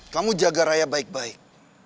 kamu jaga raya baik baik